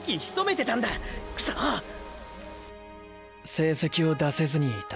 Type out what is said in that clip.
成績を出せずにいた